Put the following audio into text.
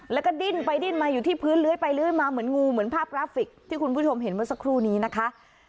แล้วก็ดิ้นไปดิ้นมาอยู่ที่พื้นเลื้อยไปเลื้อยมาเหมือนงูเหมือนภาพกราฟิกที่คุณผู้ชมเห็นเมื่อสักครู่นี้นะคะ